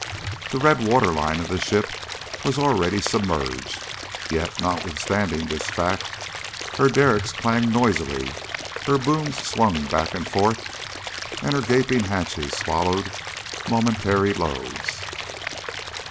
The red water line of the ship was already submerged, yet notwithstanding this fact her derricks clanged noisily, her booms swung back and forth, and her gaping hatches swallowed momentary loads.